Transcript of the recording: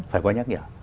phải có nhắc nhở